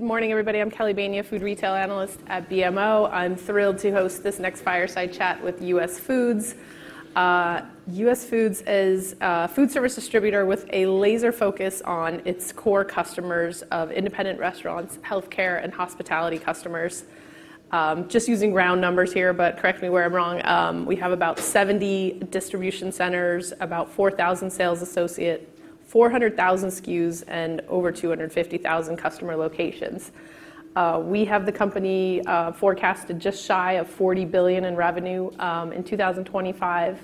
Good morning, everybody. I'm Kelly Bainey, a food retail analyst at BMO. I'm thrilled to host this next fireside chat with US Foods. US Foods is a food service distributor with a laser focus on its core customers of independent restaurants, healthcare, and hospitality customers. Just using round numbers here, but correct me where I'm wrong. We have about 70 distribution centers, about 4,000 sales associates, 400,000 SKUs, and over 250,000 customer locations. We have the company forecasted just shy of $40 billion in revenue in 2025.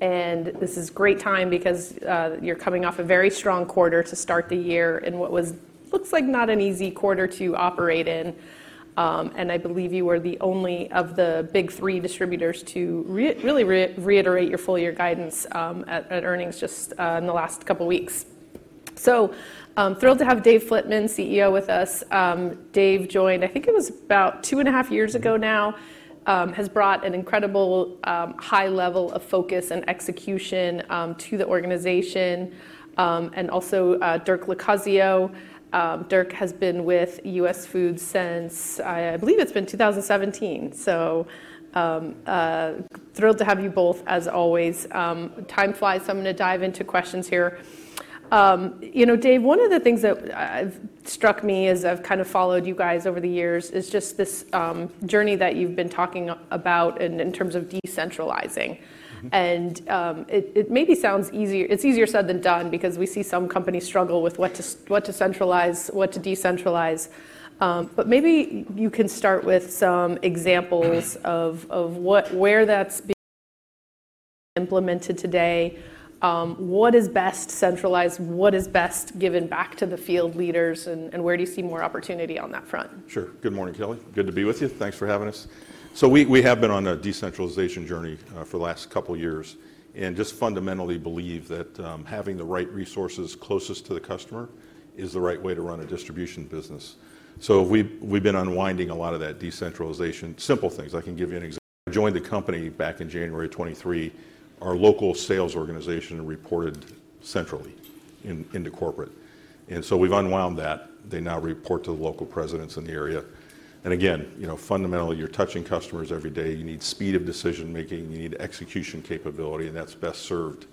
This is a great time because you're coming off a very strong quarter to start the year in what looks like not an easy quarter to operate in. I believe you were the only of the big three distributors to really reiterate your full-year guidance at earnings just in the last couple of weeks. So thrilled to have Dave Flitman, CEO, with us. Dave joined, I think it was about two and a half years ago now, has brought an incredible high level of focus and execution to the organization. Also Dirk Locascio. Dirk has been with US Foods since, I believe it's been 2017. So thrilled to have you both, as always. Time flies, so I'm going to dive into questions here. You know, Dave, one of the things that struck me as I've kind of followed you guys over the years is just this journey that you've been talking about in terms of decentralizing. It maybe sounds easier; it's easier said than done because we see some companies struggle with what to centralize, what to decentralize. Maybe you can start with some examples of where that's implemented today. What is best centralized? What is best given back to the field leaders? Where do you see more opportunity on that front? Sure. Good morning, Kelly. Good to be with you. Thanks for having us. We have been on a decentralization journey for the last couple of years and just fundamentally believe that having the right resources closest to the customer is the right way to run a distribution business. We have been unwinding a lot of that decentralization. Simple things. I can give you an example. I joined the company back in January 2023. Our local sales organization reported centrally into corporate. We have unwound that. They now report to the local presidents in the area. Again, fundamentally, you are touching customers every day. You need speed of decision-making. You need execution capability. That is best served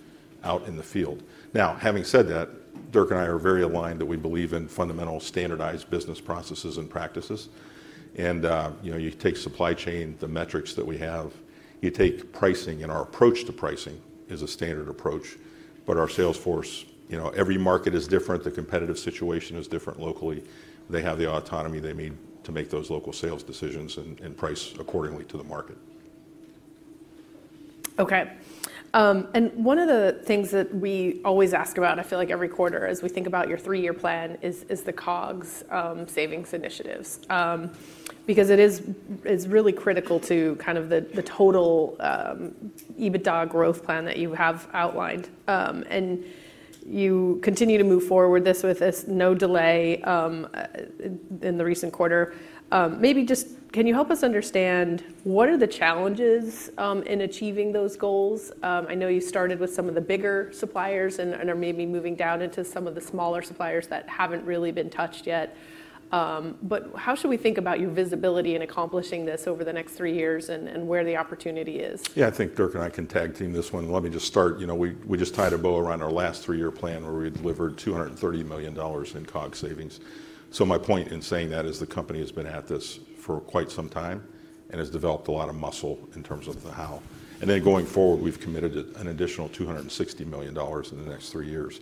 out in the field. Now, having said that, Dirk and I are very aligned that we believe in fundamental standardized business processes and practices. You take supply chain, the metrics that we have. You take pricing, and our approach to pricing is a standard approach. Our sales force, every market is different. The competitive situation is different locally. They have the autonomy they need to make those local sales decisions and price accordingly to the market. Okay. One of the things that we always ask about, I feel like every quarter as we think about your three-year plan, is the COGS savings initiatives because it is really critical to kind of the total EBITDA growth plan that you have outlined. You continue to move forward this with no delay in the recent quarter. Maybe just can you help us understand what are the challenges in achieving those goals? I know you started with some of the bigger suppliers and are maybe moving down into some of the smaller suppliers that haven't really been touched yet. How should we think about your visibility in accomplishing this over the next three years and where the opportunity is? Yeah, I think Dirk and I can tag team this one. Let me just start. We just tied a bow around our last three-year plan where we delivered $230 million in COGS savings. My point in saying that is the company has been at this for quite some time and has developed a lot of muscle in terms of the how. Going forward, we've committed an additional $260 million in the next three years.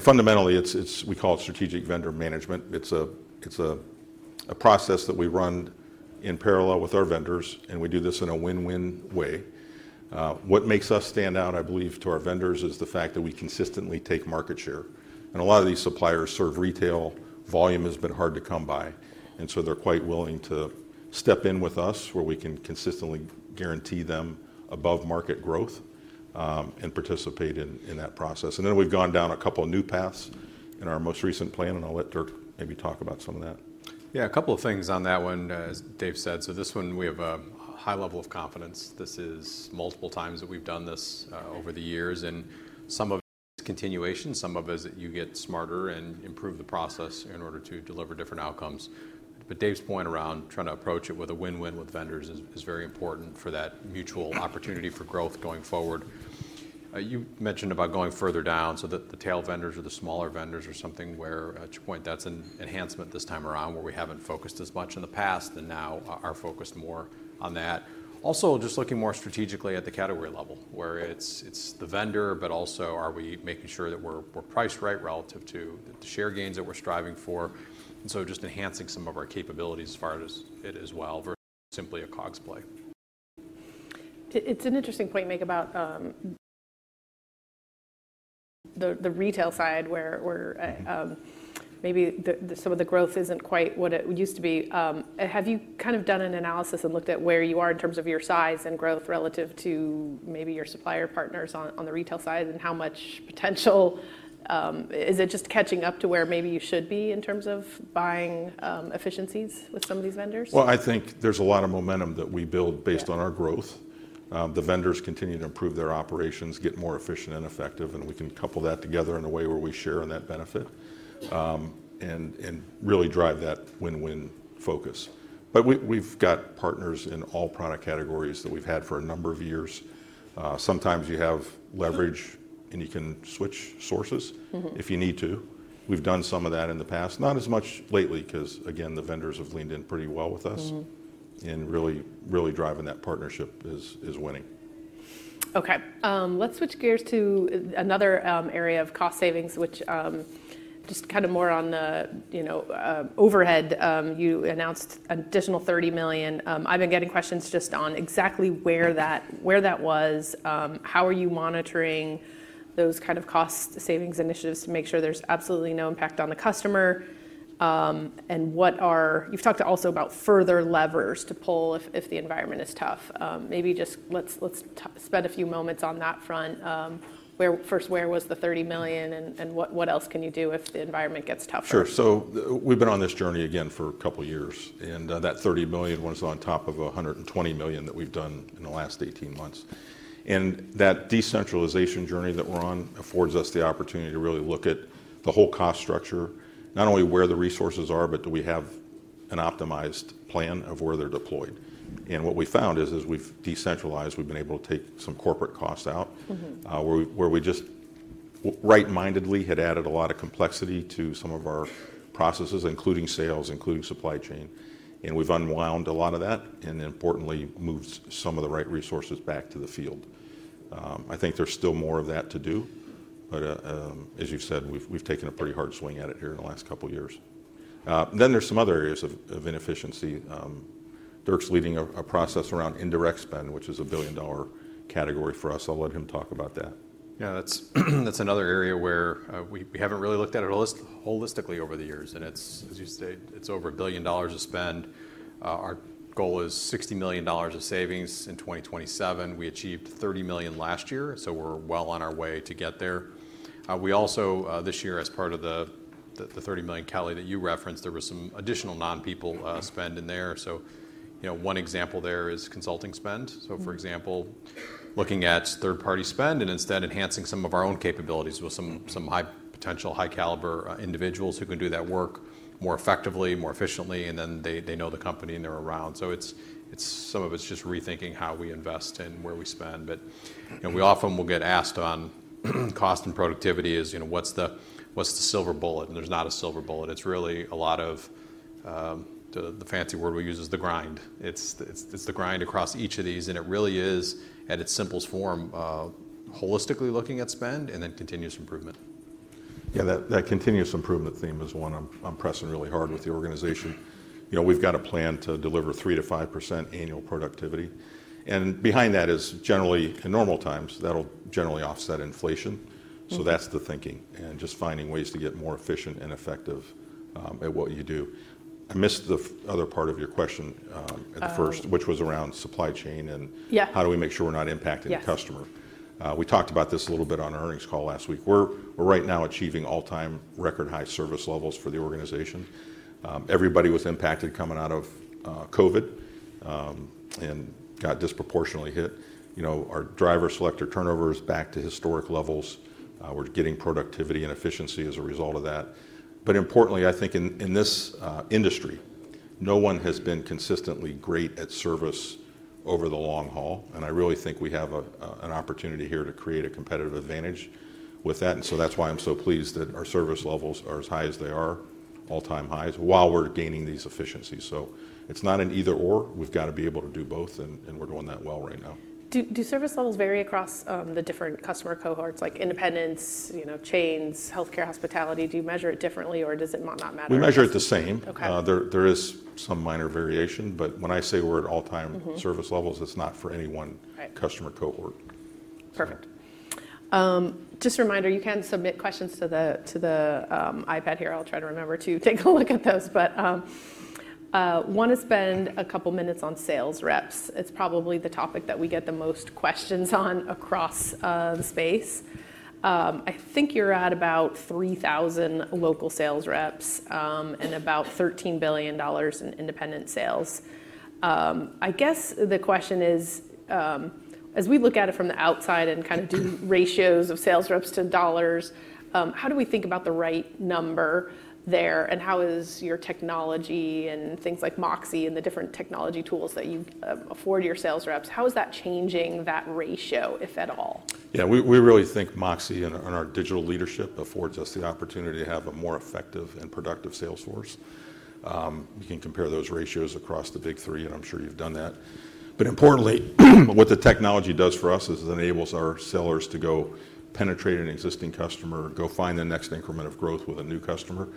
Fundamentally, we call it strategic vendor management. It's a process that we run in parallel with our vendors, and we do this in a win-win way. What makes us stand out, I believe, to our vendors is the fact that we consistently take market share. A lot of these suppliers serve retail. Volume has been hard to come by. They are quite willing to step in with us where we can consistently guarantee them above market growth and participate in that process. We have gone down a couple of new paths in our most recent plan, and I will let Dirk maybe talk about some of that. Yeah, a couple of things on that one, as Dave said. This one, we have a high level of confidence. This is multiple times that we've done this over the years. Some of it is continuation. Some of it is that you get smarter and improve the process in order to deliver different outcomes. Dave's point around trying to approach it with a win-win with vendors is very important for that mutual opportunity for growth going forward. You mentioned about going further down. The tail vendors or the smaller vendors are something where, to your point, that's an enhancement this time around where we haven't focused as much in the past and now are focused more on that. Also, just looking more strategically at the category level where it's the vendor, but also are we making sure that we're priced right relative to the share gains that we're striving for? And so just enhancing some of our capabilities as far as it as well versus simply a COGS play. It's an interesting point you make about the retail side where maybe some of the growth isn't quite what it used to be. Have you kind of done an analysis and looked at where you are in terms of your size and growth relative to maybe your supplier partners on the retail side and how much potential? Is it just catching up to where maybe you should be in terms of buying efficiencies with some of these vendors? I think there's a lot of momentum that we build based on our growth. The vendors continue to improve their operations, get more efficient and effective, and we can couple that together in a way where we share in that benefit and really drive that win-win focus. We have partners in all product categories that we've had for a number of years. Sometimes you have leverage and you can switch sources if you need to. We've done some of that in the past, not as much lately because, again, the vendors have leaned in pretty well with us and really driving that partnership is winning. Okay. Let's switch gears to another area of cost savings, which is just kind of more on the overhead. You announced an additional $30 million. I've been getting questions just on exactly where that was. How are you monitoring those kind of cost savings initiatives to make sure there's absolutely no impact on the customer? You've talked also about further levers to pull if the environment is tough. Maybe just let's spend a few moments on that front. First, where was the $30 million and what else can you do if the environment gets tougher? Sure. We have been on this journey again for a couple of years. That $30 million was on top of $120 million that we have done in the last 18 months. That decentralization journey that we are on affords us the opportunity to really look at the whole cost structure, not only where the resources are, but do we have an optimized plan of where they are deployed? What we found is as we have decentralized, we have been able to take some corporate costs out where we just right-mindedly had added a lot of complexity to some of our processes, including sales, including supply chain. We have unwound a lot of that and importantly moved some of the right resources back to the field. I think there is still more of that to do. As you've said, we've taken a pretty hard swing at it here in the last couple of years. There are some other areas of inefficiency. Dirk's leading a process around indirect spend, which is a billion-dollar category for us. I'll let him talk about that. Yeah, that's another area where we haven't really looked at it holistically over the years. As you stated, it's over $1 billion of spend. Our goal is $60 million of savings in 2027. We achieved $30 million last year. We're well on our way to get there. We also, this year, as part of the $30 million, Kelly, that you referenced, there was some additional non-people spend in there. One example there is consulting spend. For example, looking at third-party spend and instead enhancing some of our own capabilities with some high-potential, high-caliber individuals who can do that work more effectively, more efficiently, and then they know the company and they're around. Some of it's just rethinking how we invest and where we spend. We often will get asked on cost and productivity is what's the silver bullet? There is not a silver bullet. It is really a lot of the fancy word we use, the grind. It is the grind across each of these. It really is, at its simplest form, holistically looking at spend and then continuous improvement. Yeah, that continuous improvement theme is one I'm pressing really hard with the organization. We've got a plan to deliver 3%-5% annual productivity. And behind that is generally in normal times, that'll generally offset inflation. So that's the thinking and just finding ways to get more efficient and effective at what you do. I missed the other part of your question at first, which was around supply chain and how do we make sure we're not impacting the customer? We talked about this a little bit on our earnings call last week. We're right now achieving all-time record high service levels for the organization. Everybody was impacted coming out of COVID and got disproportionately hit. Our driver selector turnover is back to historic levels. We're getting productivity and efficiency as a result of that. Importantly, I think in this industry, no one has been consistently great at service over the long haul. I really think we have an opportunity here to create a competitive advantage with that. That is why I'm so pleased that our service levels are as high as they are, all-time highs, while we're gaining these efficiencies. It is not an either/or. We've got to be able to do both. We're doing that well right now. Do service levels vary across the different customer cohorts, like independents, chains, healthcare, hospitality? Do you measure it differently or does it not matter? We measure it the same. There is some minor variation. But when I say we're at all-time service levels, it's not for any one customer cohort. Perfect. Just a reminder, you can submit questions to the iPad here. I'll try to remember to take a look at those. I want to spend a couple of minutes on sales reps. It's probably the topic that we get the most questions on across the space. I think you're at about 3,000 local sales reps and about $13 billion in independent sales. I guess the question is, as we look at it from the outside and kind of do ratios of sales reps to dollars, how do we think about the right number there? How is your technology and things like MOXē and the different technology tools that you afford your sales reps? How is that changing that ratio, if at all? Yeah, we really think MOXē and our digital leadership affords us the opportunity to have a more effective and productive sales force. You can compare those ratios across the big three, and I'm sure you've done that. Importantly, what the technology does for us is it enables our sellers to go penetrate an existing customer, go find the next increment of growth with a new customer,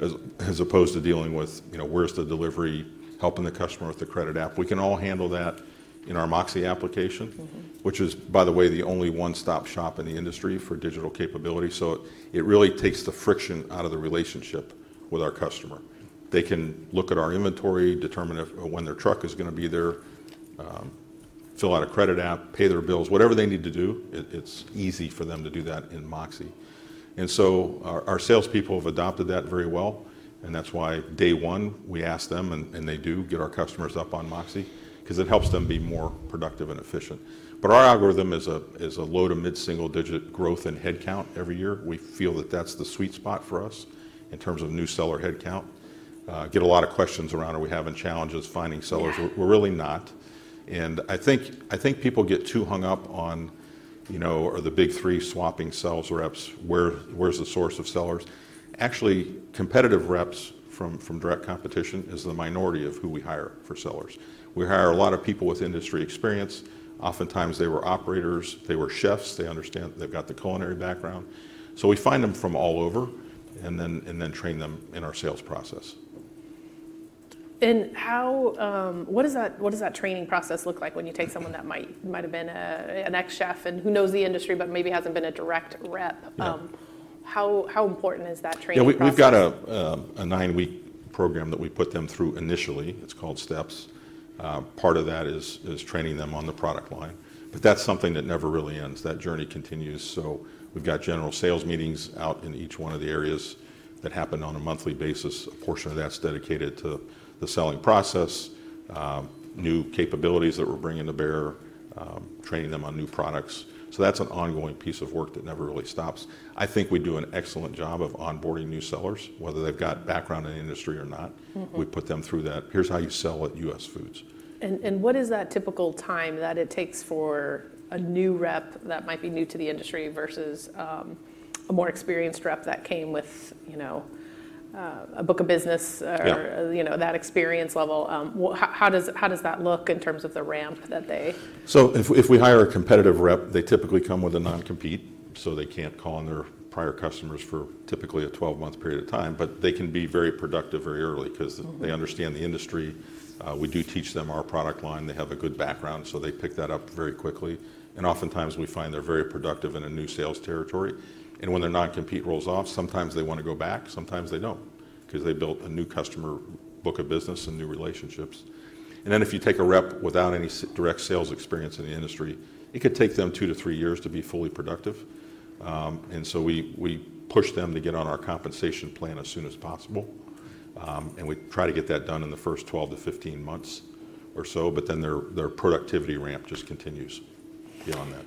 as opposed to dealing with where's the delivery, helping the customer with the credit app. We can all handle that in our MOXē application, which is, by the way, the only one-stop shop in the industry for digital capability. It really takes the friction out of the relationship with our customer. They can look at our inventory, determine when their truck is going to be there, fill out a credit app, pay their bills, whatever they need to do. It's easy for them to do that in MOXē. Our salespeople have adopted that very well. That is why day one, we ask them, and they do get our customers up on MOXē because it helps them be more productive and efficient. Our algorithm is a low to mid-single-digit growth in headcount every year. We feel that is the sweet spot for us in terms of new seller headcount. Get a lot of questions around, are we having challenges finding sellers? We're really not. I think people get too hung up on, are the big three swapping sales reps? Where is the source of sellers? Actually, competitive reps from direct competition is the minority of who we hire for sellers. We hire a lot of people with industry experience. Oftentimes, they were operators. They were chefs. They understand, they've got the culinary background. We find them from all over and then train them in our sales process. What does that training process look like when you take someone that might have been an ex-chef and who knows the industry but maybe has not been a direct rep? How important is that training for them? Yeah, we've got a nine-week program that we put them through initially. It's called Steps. Part of that is training them on the product line. But that's something that never really ends. That journey continues. We've got general sales meetings out in each one of the areas that happen on a monthly basis. A portion of that's dedicated to the selling process, new capabilities that we're bringing to bear, training them on new products. That's an ongoing piece of work that never really stops. I think we do an excellent job of onboarding new sellers, whether they've got background in the industry or not. We put them through that. Here's how you sell at US Foods. What is that typical time that it takes for a new rep that might be new to the industry versus a more experienced rep that came with a book of business, that experience level? How does that look in terms of the ramp that they? If we hire a competitive rep, they typically come with a non-compete. They can't call on their prior customers for typically a 12-month period of time. They can be very productive very early because they understand the industry. We do teach them our product line. They have a good background, so they pick that up very quickly. Oftentimes, we find they're very productive in a new sales territory. When their non-compete rolls off, sometimes they want to go back, sometimes they don't because they built a new customer book of business and new relationships. If you take a rep without any direct sales experience in the industry, it could take them two to three years to be fully productive. We push them to get on our compensation plan as soon as possible. We try to get that done in the first 12 to 15 months or so. Their productivity ramp just continues beyond that.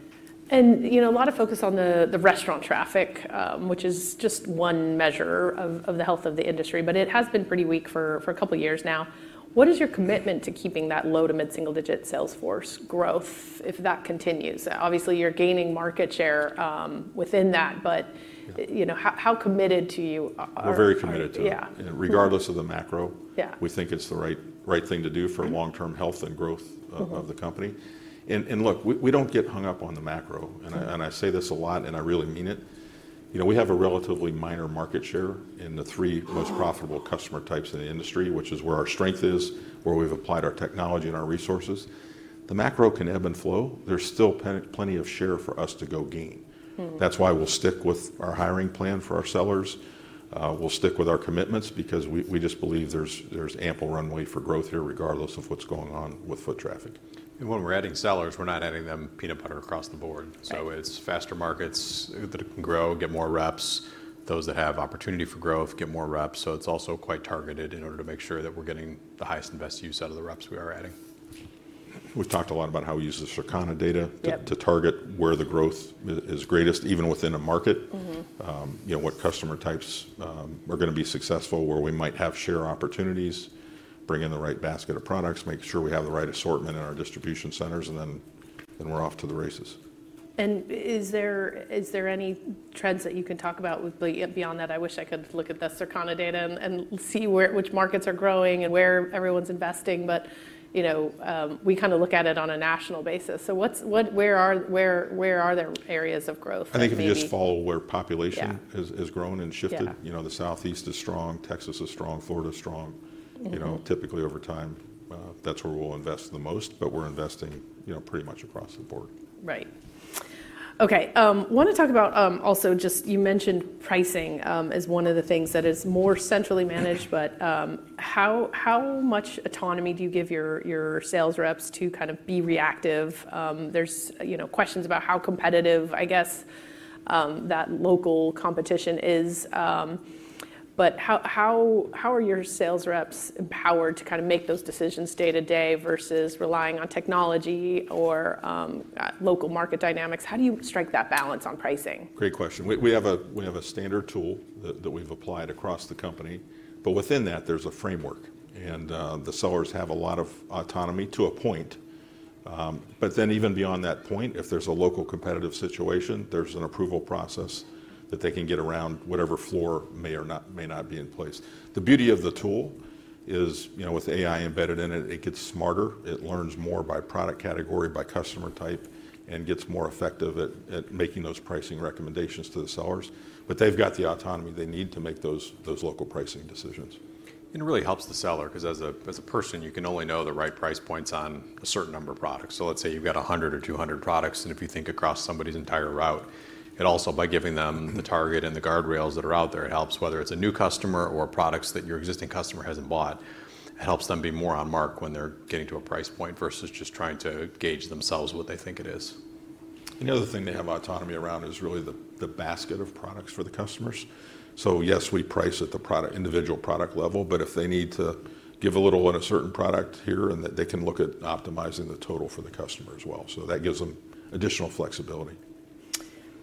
A lot of focus on the restaurant traffic, which is just one measure of the health of the industry, but it has been pretty weak for a couple of years now. What is your commitment to keeping that low to mid-single-digit sales force growth if that continues? Obviously, you're gaining market share within that, but how committed are you? We're very committed to it. Regardless of the macro, we think it's the right thing to do for long-term health and growth of the company. Look, we don't get hung up on the macro. I say this a lot, and I really mean it. We have a relatively minor market share in the three most profitable customer types in the industry, which is where our strength is, where we've applied our technology and our resources. The macro can ebb and flow. There's still plenty of share for us to go gain. That's why we'll stick with our hiring plan for our sellers. We'll stick with our commitments because we just believe there's ample runway for growth here regardless of what's going on with foot traffic. When we're adding sellers, we're not adding them peanut butter across the board. It's faster markets that can grow, get more reps. Those that have opportunity for growth, get more reps. It's also quite targeted in order to make sure that we're getting the highest and best use out of the reps we are adding. We've talked a lot about how we use the Circana data to target where the growth is greatest, even within a market, what customer types are going to be successful, where we might have share opportunities, bring in the right basket of products, make sure we have the right assortment in our distribution centers, and then we're off to the races. Is there any trends that you can talk about? Beyond that, I wish I could look at the Circana data and see which markets are growing and where everyone's investing. We kind of look at it on a national basis. Where are there areas of growth? I think if you just follow where population has grown and shifted. The Southeast is strong. Texas is strong. Florida is strong. Typically, over time, that's where we'll invest the most. We are investing pretty much across the board. Right. Okay. I want to talk about also just you mentioned pricing as one of the things that is more centrally managed. How much autonomy do you give your sales reps to kind of be reactive? There are questions about how competitive, I guess, that local competition is. How are your sales reps empowered to kind of make those decisions day to day versus relying on technology or local market dynamics? How do you strike that balance on pricing? Great question. We have a standard tool that we've applied across the company. Within that, there's a framework. The sellers have a lot of autonomy to a point. Even beyond that point, if there's a local competitive situation, there's an approval process that they can get around whatever floor may or may not be in place. The beauty of the tool is with AI embedded in it, it gets smarter. It learns more by product category, by customer type, and gets more effective at making those pricing recommendations to the sellers. They've got the autonomy they need to make those local pricing decisions. It really helps the seller because as a person, you can only know the right price points on a certain number of products. Let's say you've got 100 or 200 products. If you think across somebody's entire route, by giving them the target and the guardrails that are out there, it helps whether it's a new customer or products that your existing customer hasn't bought. It helps them be more on mark when they're getting to a price point versus just trying to gauge themselves what they think it is. Another thing they have autonomy around is really the basket of products for the customers. Yes, we price at the individual product level. If they need to give a little on a certain product here, they can look at optimizing the total for the customer as well. That gives them additional flexibility.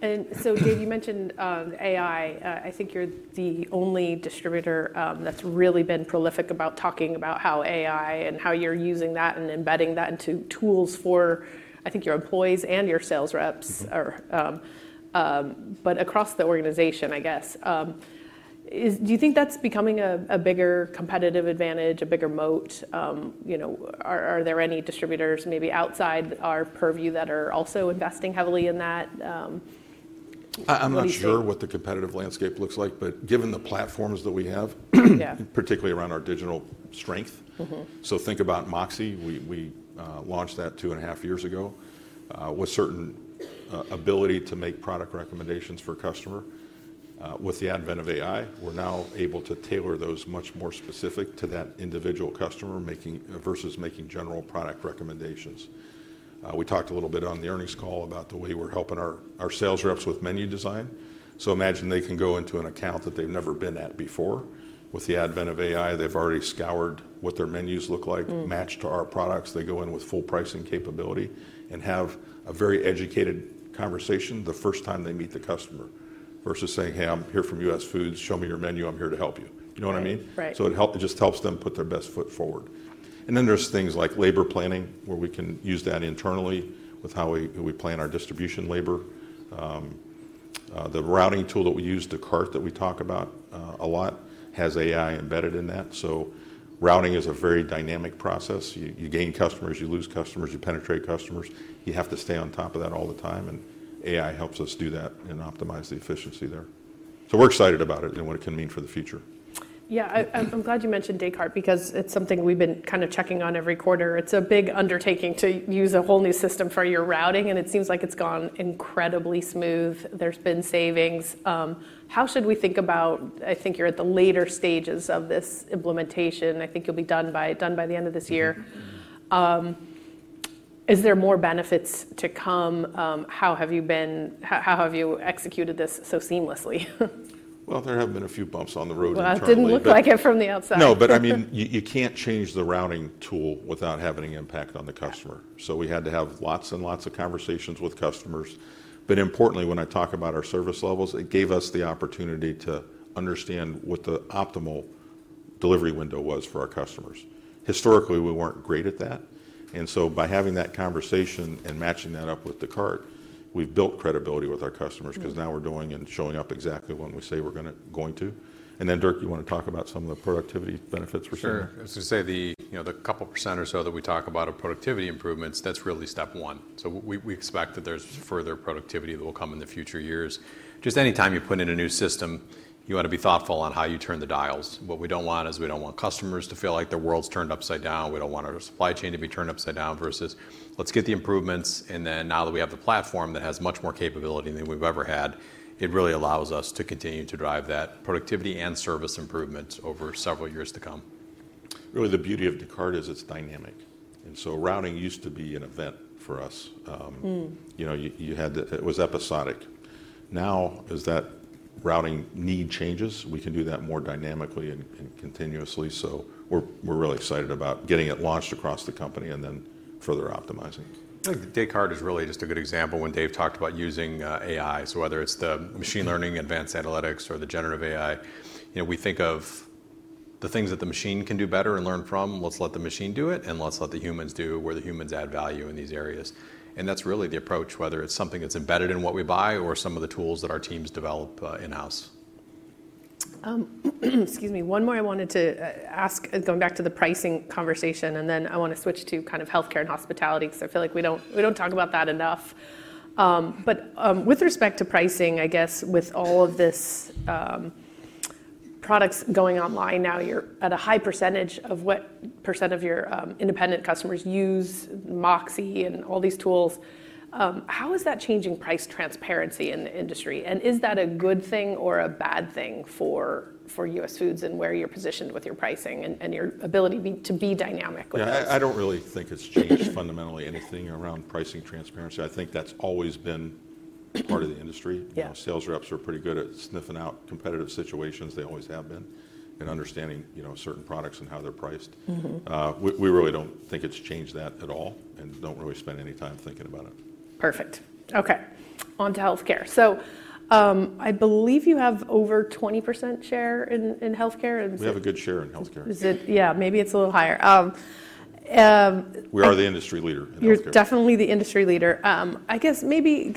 Dave, you mentioned AI. I think you're the only distributor that's really been prolific about talking about how AI and how you're using that and embedding that into tools for, I think, your employees and your sales reps. Across the organization, I guess, do you think that's becoming a bigger competitive advantage, a bigger moat? Are there any distributors maybe outside our purview that are also investing heavily in that? I'm not sure what the competitive landscape looks like. But given the platforms that we have, particularly around our digital strength, so think about MOXē. We launched that two and a half years ago with certain ability to make product recommendations for customer. With the advent of AI, we're now able to tailor those much more specific to that individual customer versus making general product recommendations. We talked a little bit on the earnings call about the way we're helping our sales reps with menu design. So imagine they can go into an account that they've never been at before. With the advent of AI, they've already scoured what their menus look like, matched to our products. They go in with full pricing capability and have a very educated conversation the first time they meet the customer versus saying, "Hey, I'm here from US Foods. Show me your menu. I'm here to help you. You know what I mean? Right. It just helps them put their best foot forward. Then there are things like labor planning where we can use that internally with how we plan our distribution labor. The routing tool that we use, Descartes, that we talk about a lot, has AI embedded in that. Routing is a very dynamic process. You gain customers. You lose customers. You penetrate customers. You have to stay on top of that all the time. AI helps us do that and optimize the efficiency there. We are excited about it and what it can mean for the future. Yeah. I'm glad you mentioned Descartes because it's something we've been kind of checking on every quarter. It's a big undertaking to use a whole new system for your routing. It seems like it's gone incredibly smooth. There's been savings. How should we think about, I think you're at the later stages of this implementation. I think you'll be done by the end of this year. Is there more benefits to come? How have you been? How have you executed this so seamlessly? There have been a few bumps on the road in terms of. It didn't look like it from the outside. No. I mean, you can't change the routing tool without having an impact on the customer. We had to have lots and lots of conversations with customers. Importantly, when I talk about our service levels, it gave us the opportunity to understand what the optimal delivery window was for our customers. Historically, we weren't great at that. By having that conversation and matching that up with Descartes, we've built credibility with our customers because now we're doing and showing up exactly when we say we're going to. Dirk, you want to talk about some of the productivity benefits for sure. Sure. I was going to say the couple % or so that we talk about of productivity improvements, that's really step one. We expect that there's further productivity that will come in the future years. Just anytime you put in a new system, you want to be thoughtful on how you turn the dials. What we do not want is we do not want customers to feel like their world's turned upside down. We do not want our supply chain to be turned upside down versus let's get the improvements. Now that we have the platform that has much more capability than we've ever had, it really allows us to continue to drive that productivity and service improvements over several years to come. Really, the beauty of Descartes is it's dynamic. Routing used to be an event for us. It was episodic. Now, as that routing need changes, we can do that more dynamically and continuously. We are really excited about getting it launched across the company and then further optimizing. I think Descartes is really just a good example when Dave talked about using AI. Whether it's the machine learning, advanced analytics, or the generative AI, we think of the things that the machine can do better and learn from, let's let the machine do it, and let's let the humans do where the humans add value in these areas. That's really the approach, whether it's something that's embedded in what we buy or some of the tools that our teams develop in-house. Excuse me. One more I wanted to ask, going back to the pricing conversation. I want to switch to kind of healthcare and hospitality because I feel like we do not talk about that enough. With respect to pricing, I guess with all of these products going online now, you are at a high percentage. What percent of your independent customers use MOXē and all these tools? How is that changing price transparency in the industry? Is that a good thing or a bad thing for US Foods and where you are positioned with your pricing and your ability to be dynamic with it? Yeah. I don't really think it's changed fundamentally anything around pricing transparency. I think that's always been part of the industry. Sales reps are pretty good at sniffing out competitive situations. They always have been in understanding certain products and how they're priced. We really don't think it's changed that at all and don't really spend any time thinking about it. Perfect. Okay. On to healthcare. So I believe you have over 20% share in healthcare. We have a good share in healthcare. Yeah. Maybe it's a little higher. We are the industry leader in healthcare. You're definitely the industry leader. I guess maybe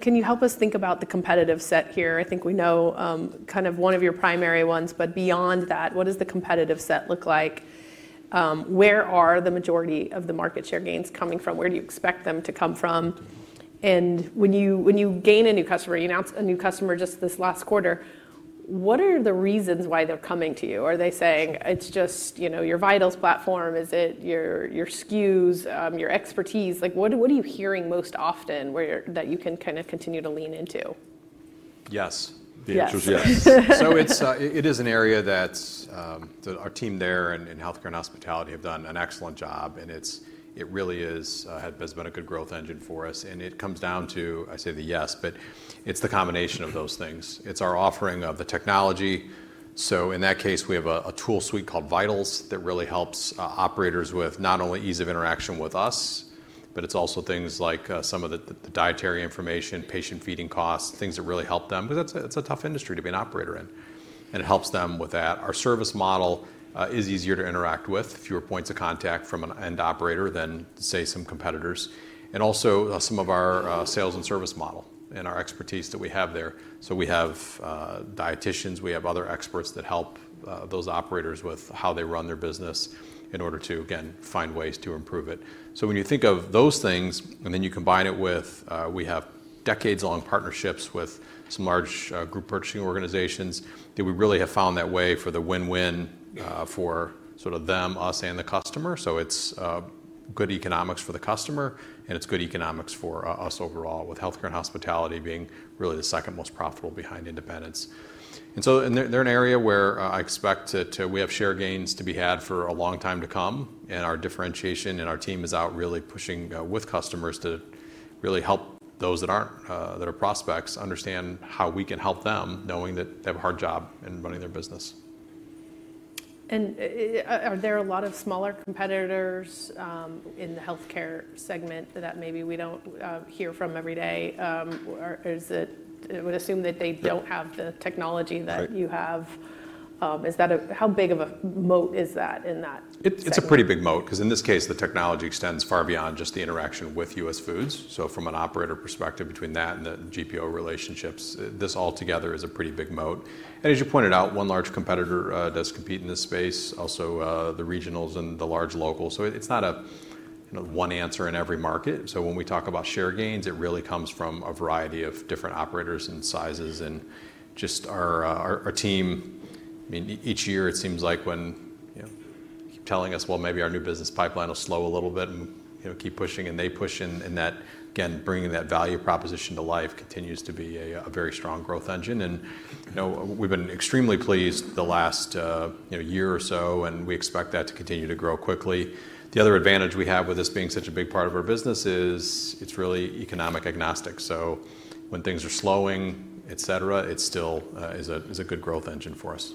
can you help us think about the competitive set here? I think we know kind of one of your primary ones. Beyond that, what does the competitive set look like? Where are the majority of the market share gains coming from? Where do you expect them to come from? When you gain a new customer, you announced a new customer just this last quarter, what are the reasons why they're coming to you? Are they saying it's just your Vitals platform? Is it your SKUs, your expertise? What are you hearing most often that you can kind of continue to lean into? Yes. The answer is yes. It is an area that our team there in healthcare and hospitality have done an excellent job. It really has been a good growth engine for us. It comes down to, I say the yes, but it is the combination of those things. It is our offering of the technology. In that case, we have a tool suite called Vitals that really helps operators with not only ease of interaction with us, but it is also things like some of the dietary information, patient feeding costs, things that really help them. It is a tough industry to be an operator in. It helps them with that. Our service model is easier to interact with, fewer points of contact from an end operator than, say, some competitors. Also, some of our sales and service model and our expertise that we have there. We have dieticians. We have other experts that help those operators with how they run their business in order to, again, find ways to improve it. When you think of those things and then you combine it with we have decades-long partnerships with some large group purchasing organizations that we really have found that way for the win-win for sort of them, us, and the customer. It is good economics for the customer, and it is good economics for us overall, with healthcare and hospitality being really the second most profitable behind independents. They are an area where I expect that we have share gains to be had for a long time to come. Our differentiation and our team is out really pushing with customers to really help those that aren't, that are prospects, understand how we can help them knowing that they have a hard job in running their business. Are there a lot of smaller competitors in the healthcare segment that maybe we do not hear from every day? I would assume that they do not have the technology that you have. How big of a moat is that in that? It's a pretty big moat because in this case, the technology extends far beyond just the interaction with US Foods. From an operator perspective, between that and the GPO relationships, this altogether is a pretty big moat. As you pointed out, one large competitor does compete in this space, also the regionals and the large local. It is not a one answer in every market. When we talk about share gains, it really comes from a variety of different operators and sizes. Just our team, I mean, each year, it seems like when you keep telling us, "Well, maybe our new business pipeline will slow a little bit," and keep pushing, and they push. That, again, bringing that value proposition to life continues to be a very strong growth engine. We have been extremely pleased the last year or so. We expect that to continue to grow quickly. The other advantage we have with this being such a big part of our business is it's really economic agnostic. When things are slowing, etc., it still is a good growth engine for us.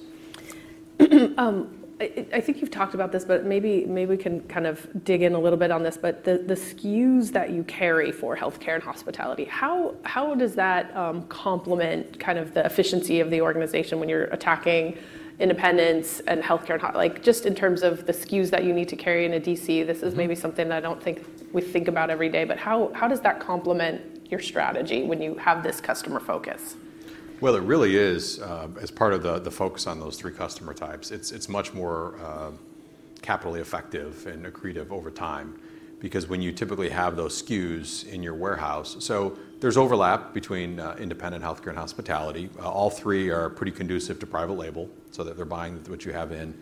I think you've talked about this, but maybe we can kind of dig in a little bit on this. The SKUs that you carry for healthcare and hospitality, how does that complement kind of the efficiency of the organization when you're attacking independence and healthcare and just in terms of the SKUs that you need to carry in a DC? This is maybe something that I don't think we think about every day. How does that complement your strategy when you have this customer focus? It really is, as part of the focus on those three customer types, it's much more capital effective and accretive over time because when you typically have those SKUs in your warehouse, there's overlap between independent healthcare and hospitality. All three are pretty conducive to private label so that they're buying what you have in.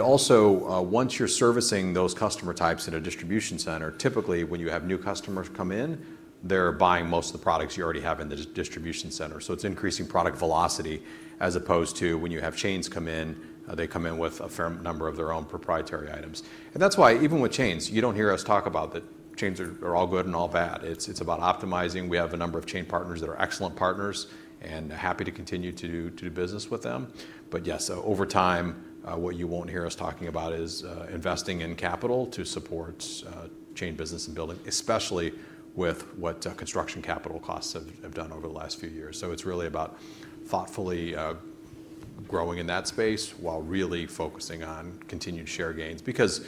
Also, once you're servicing those customer types in a distribution center, typically when you have new customers come in, they're buying most of the products you already have in the distribution center. It's increasing product velocity as opposed to when you have chains come in, they come in with a fair number of their own proprietary items. That's why even with chains, you don't hear us talk about that chains are all good and all bad. It's about optimizing. We have a number of chain partners that are excellent partners and happy to continue to do business with them. Yes, over time, what you will not hear us talking about is investing in capital to support chain business and building, especially with what construction capital costs have done over the last few years. It is really about thoughtfully growing in that space while really focusing on continued share gains. Because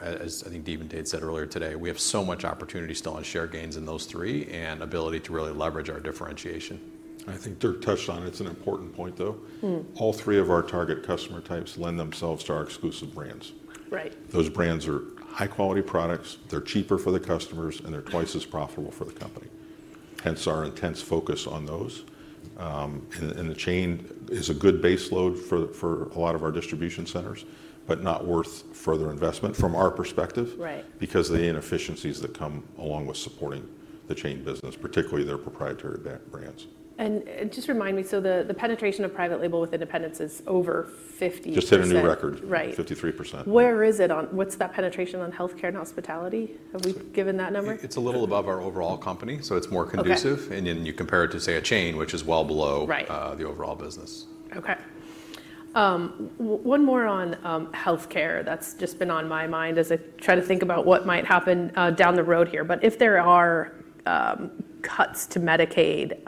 as I think Dave and Dave said earlier today, we have so much opportunity still on share gains in those three and ability to really leverage our differentiation. I think Dirk touched on it. It's an important point, though. All three of our target customer types lend themselves to our exclusive brands. Right. Those brands are high-quality products. They're cheaper for the customers, and they're twice as profitable for the company. Hence our intense focus on those. The chain is a good base load for a lot of our distribution centers, but not worth further investment from our perspective because of the inefficiencies that come along with supporting the chain business, particularly their proprietary brands. Just remind me, so the penetration of private label with independents is over 50%. Just hit a new record, 53%. Where is it on? What's that penetration on healthcare and hospitality? Have we given that number? It's a little above our overall company. So it's more conducive. And then you compare it to, say, a chain, which is well below the overall business. Okay. One more on healthcare that's just been on my mind as I try to think about what might happen down the road here. If there are cuts to Medicaid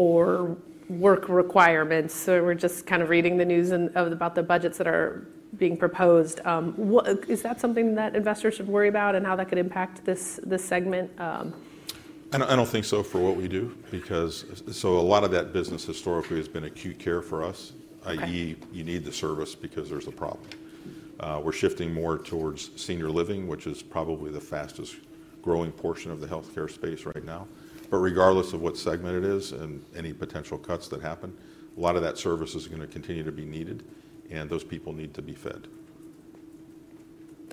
or work requirements, we're just kind of reading the news about the budgets that are being proposed. Is that something that investors should worry about and how that could impact this segment? I don't think so for what we do because a lot of that business historically has been acute care for us, i.e., you need the service because there's a problem. We're shifting more towards senior living, which is probably the fastest growing portion of the healthcare space right now. Regardless of what segment it is and any potential cuts that happen, a lot of that service is going to continue to be needed, and those people need to be fed.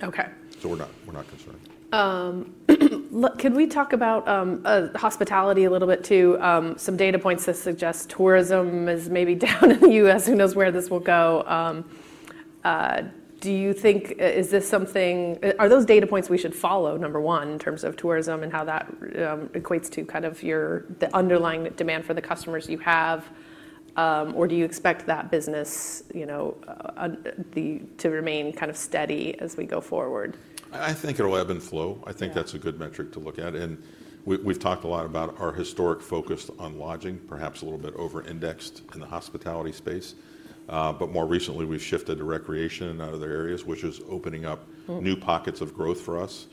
Okay. We're not concerned. Could we talk about hospitality a little bit too? Some data points that suggest tourism is maybe down in the U.S. Who knows where this will go? Do you think, is this something, are those data points we should follow, number one, in terms of tourism and how that equates to kind of the underlying demand for the customers you have? Or do you expect that business to remain kind of steady as we go forward? I think it'll ebb and flow. I think that's a good metric to look at. And we've talked a lot about our historic focus on lodging, perhaps a little bit over-indexed in the hospitality space. More recently, we've shifted to recreation and other areas, which is opening up new pockets of growth for us.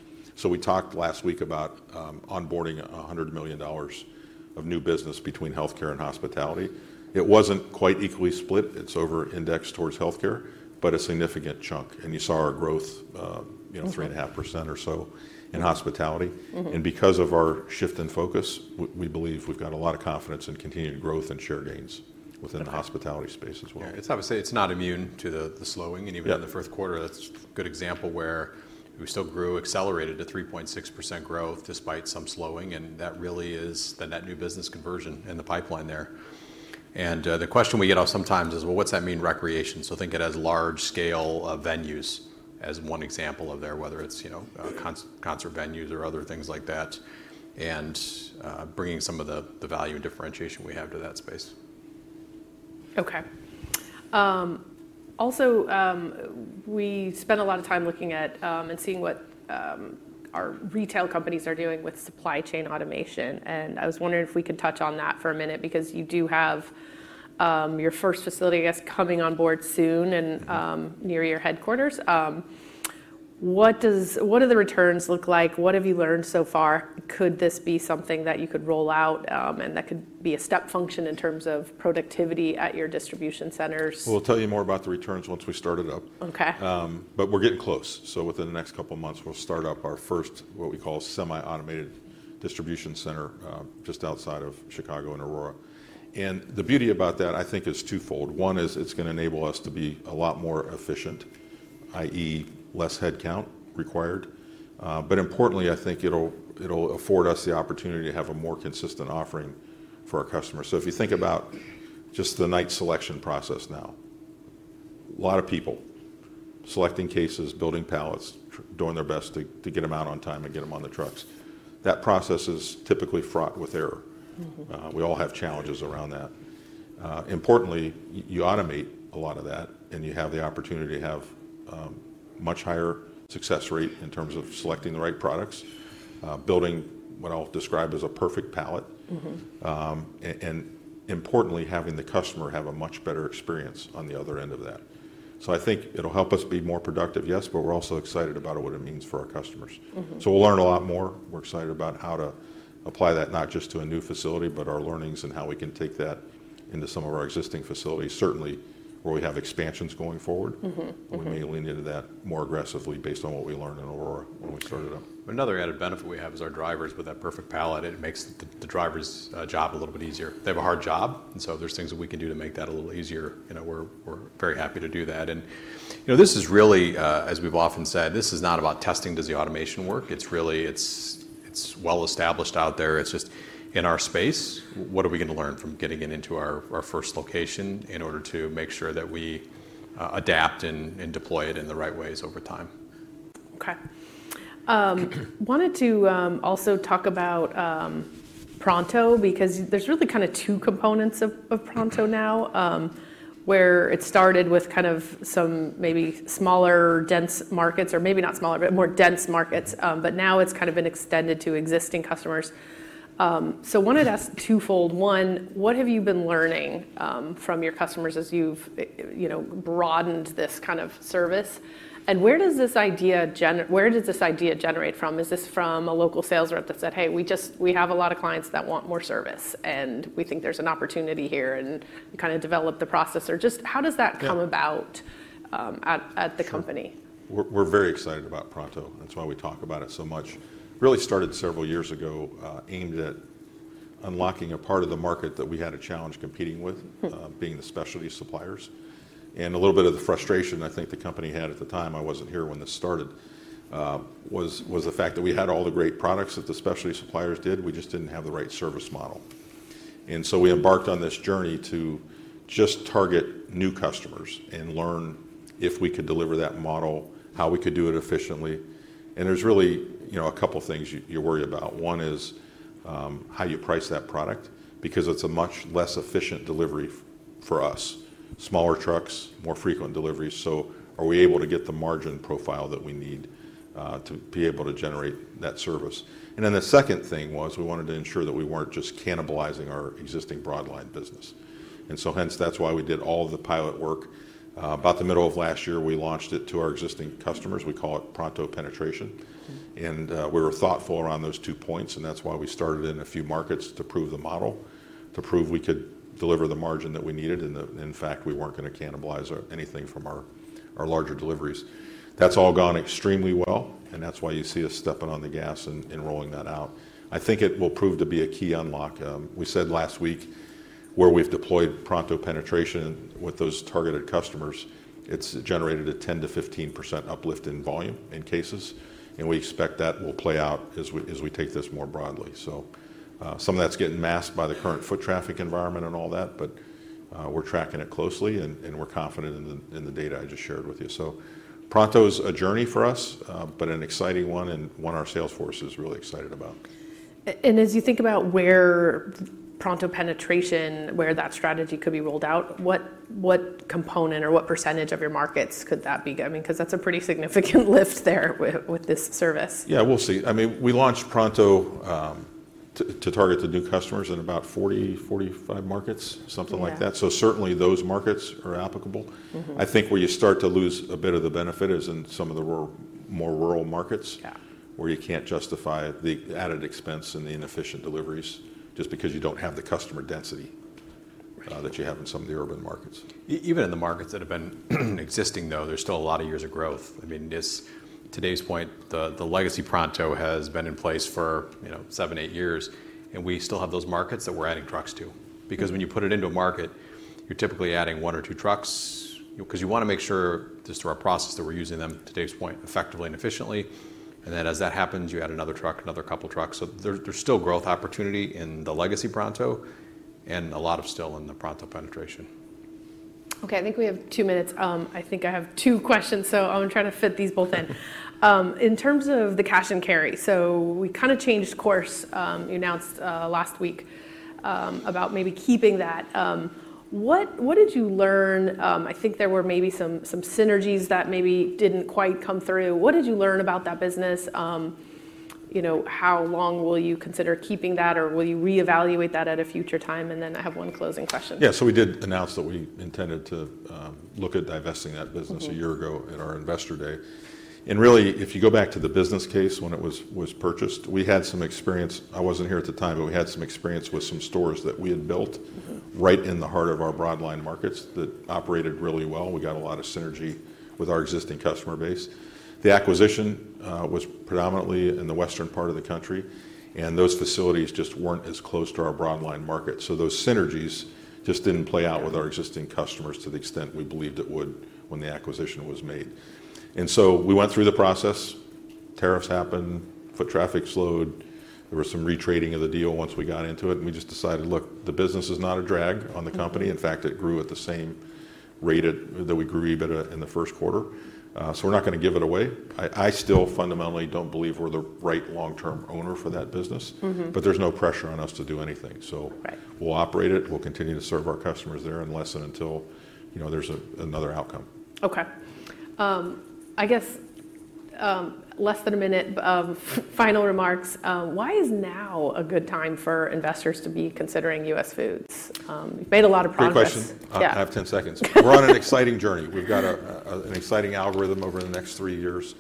We talked last week about onboarding $100 million of new business between healthcare and hospitality. It wasn't quite equally split. It's over-indexed towards healthcare, but a significant chunk. You saw our growth, 3.5% or so in hospitality. Because of our shift in focus, we believe we've got a lot of confidence in continued growth and share gains within the hospitality space as well. Yeah. It's obviously not immune to the slowing. Even in the first quarter, that's a good example where we still grew, accelerated to 3.6% growth despite some slowing. That really is that new business conversion in the pipeline there. The question we get sometimes is, what's that mean recreation? Think of it as large-scale venues as one example there, whether it's concert venues or other things like that, and bringing some of the value and differentiation we have to that space. Okay. Also, we spent a lot of time looking at and seeing what our retail companies are doing with supply chain automation. I was wondering if we could touch on that for a minute because you do have your first facility, I guess, coming on board soon and near your headquarters. What do the returns look like? What have you learned so far? Could this be something that you could roll out and that could be a step function in terms of productivity at your distribution centers? We'll tell you more about the returns once we start it up. Okay. We're getting close. Within the next couple of months, we'll start up our first, what we call, semi-automated distribution center just outside of Chicago in Aurora. The beauty about that, I think, is twofold. One is it's going to enable us to be a lot more efficient, i.e., less headcount required. Importantly, I think it'll afford us the opportunity to have a more consistent offering for our customers. If you think about just the night selection process now, a lot of people selecting cases, building pallets, doing their best to get them out on time and get them on the trucks, that process is typically fraught with error. We all have challenges around that. Importantly, you automate a lot of that, and you have the opportunity to have a much higher success rate in terms of selecting the right products, building what I'll describe as a perfect pallet, and importantly, having the customer have a much better experience on the other end of that. I think it'll help us be more productive, yes, but we're also excited about what it means for our customers. We'll learn a lot more. We're excited about how to apply that not just to a new facility, but our learnings and how we can take that into some of our existing facilities, certainly where we have expansions going forward. We may lean into that more aggressively based on what we learned in Aurora when we started up. Another added benefit we have is our drivers with that perfect pallet. It makes the driver's job a little bit easier. They have a hard job. There are things that we can do to make that a little easier. We're very happy to do that. This is really, as we've often said, not about testing does the automation work. It's well established out there. It's just in our space. What are we going to learn from getting it into our first location in order to make sure that we adapt and deploy it in the right ways over time? Okay. Wanted to also talk about Pronto because there's really kind of two components of Pronto now, where it started with kind of some maybe smaller, dense markets, or maybe not smaller, but more dense markets. Now it's kind of been extended to existing customers. I wanted to ask twofold. One, what have you been learning from your customers as you've broadened this kind of service? Where does this idea generate from? Is this from a local sales rep that said, "Hey, we have a lot of clients that want more service, and we think there's an opportunity here," and kind of developed the process? Or just how does that come about at the company? We're very excited about Pronto. That's why we talk about it so much. Really started several years ago, aimed at unlocking a part of the market that we had a challenge competing with, being the specialty suppliers. A little bit of the frustration I think the company had at the time—I wasn't here when this started—was the fact that we had all the great products that the specialty suppliers did. We just didn't have the right service model. We embarked on this journey to just target new customers and learn if we could deliver that model, how we could do it efficiently. There's really a couple of things you worry about. One is how you price that product because it's a much less efficient delivery for us, smaller trucks, more frequent deliveries. Are we able to get the margin profile that we need to be able to generate that service? The second thing was we wanted to ensure that we weren't just cannibalizing our existing broadline business. Hence, that's why we did all of the pilot work. About the middle of last year, we launched it to our existing customers. We call it Pronto penetration. We were thoughtful around those two points. That's why we started in a few markets to prove the model, to prove we could deliver the margin that we needed. In fact, we weren't going to cannibalize anything from our larger deliveries. That's all gone extremely well. That's why you see us stepping on the gas and rolling that out. I think it will prove to be a key unlock. We said last week where we've deployed Pronto penetration with those targeted customers, it's generated a 10-15% uplift in volume in cases. We expect that will play out as we take this more broadly. Some of that's getting masked by the current foot traffic environment and all that. We're tracking it closely, and we're confident in the data I just shared with you. Pronto is a journey for us, but an exciting one and one our sales force is really excited about. As you think about where Pronto penetration, where that strategy could be rolled out, what component or what percentage of your markets could that be? I mean, because that's a pretty significant lift there with this service. Yeah, we'll see. I mean, we launched Pronto to target the new customers in about 40-45 markets, something like that. Certainly those markets are applicable. I think where you start to lose a bit of the benefit is in some of the more rural markets where you can't justify the added expense and the inefficient deliveries just because you don't have the customer density that you have in some of the urban markets. Even in the markets that have been existing, though, there's still a lot of years of growth. I mean, to Dave's point, the legacy Pronto has been in place for seven, eight years. I mean, we still have those markets that we're adding trucks to. Because when you put it into a market, you're typically adding one or two trucks because you want to make sure just through our process that we're using them, to Dave's point, effectively and efficiently. As that happens, you add another truck, another couple of trucks. There is still growth opportunity in the legacy Pronto and a lot of still in the Pronto penetration. Okay. I think we have two minutes. I think I have two questions. I'm going to try to fit these both in. In terms of the cash and carry, we kind of changed course. You announced last week about maybe keeping that. What did you learn? I think there were maybe some synergies that maybe didn't quite come through. What did you learn about that business? How long will you consider keeping that, or will you reevaluate that at a future time? I have one closing question. Yeah. We did announce that we intended to look at divesting that business a year ago at our investor day. Really, if you go back to the business case when it was purchased, we had some experience. I was not here at the time, but we had some experience with some stores that we had built right in the heart of our broadline markets that operated really well. We got a lot of synergy with our existing customer base. The acquisition was predominantly in the western part of the country. Those facilities just were not as close to our broadline market. Those synergies just did not play out with our existing customers to the extent we believed it would when the acquisition was made. We went through the process. Tariffs happened. Foot traffic slowed. There was some retraining of the deal once we got into it. We just decided, look, the business is not a drag on the company. In fact, it grew at the same rate that we grew EBITDA in the first quarter. We are not going to give it away. I still fundamentally do not believe we are the right long-term owner for that business, but there is no pressure on us to do anything. We will operate it. We will continue to serve our customers there unless and until there is another outcome. Okay. I guess less than a minute of final remarks. Why is now a good time for investors to be considering US Foods? You've made a lot of promises. Great question. I have 10 seconds. We're on an exciting journey. We've got an exciting algorithm over the next three years.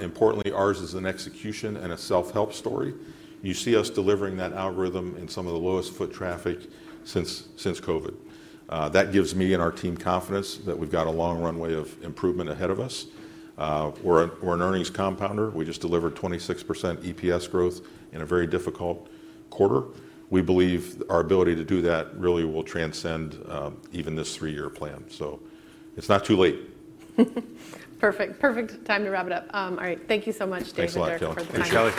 Importantly, ours is an execution and a self-help story. You see us delivering that algorithm in some of the lowest foot traffic since COVID. That gives me and our team confidence that we've got a long runway of improvement ahead of us. We're an earnings compounder. We just delivered 26% EPS growth in a very difficult quarter. We believe our ability to do that really will transcend even this three-year plan. It is not too late. Perfect. Perfect time to wrap it up. All right. Thank you so much, Dave. Thanks a lot, Kelly. Thank you.